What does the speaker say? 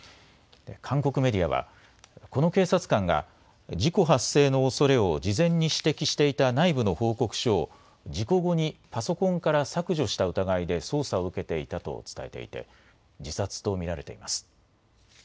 韓国メディアは、この警察官が、事故発生のおそれを事前に指摘していた内部の報告書を、事故後にパソコンから削除した疑いで捜査を受けていたと伝えていて、自殺と見られています。